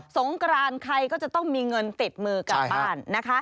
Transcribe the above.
งกรานใครก็จะต้องมีเงินติดมือกลับบ้านนะคะ